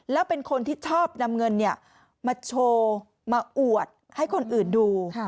แล้วเป็นคนที่ชอบนำเงินมาโชว์มาอวดให้คนอื่นดู